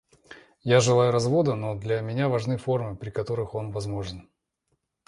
Я желаю развода, но для меня важны формы, при которых он возможен.